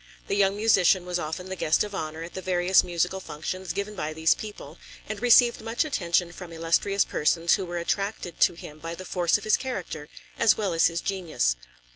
The young musician was often the guest of honor at the various musical functions given by these people, and received much attention from illustrious persons who were attracted to him by the force of his character as well as his genius.